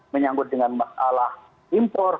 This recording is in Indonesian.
menyanggut dengan masalah impor